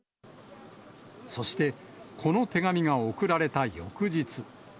そして、この手紙が送られた翌日。